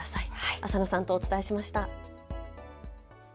浅野さんとお伝えしました。